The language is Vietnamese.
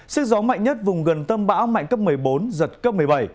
sức gió mạnh nhất vùng gần tâm bão mạnh cấp một mươi bốn giật cấp một mươi bảy